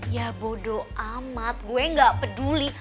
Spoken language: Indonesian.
ya bodoh amat gue gak peduli